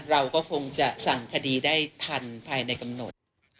เราก็คงจะสั่งคดีได้ทันภายในกำหนด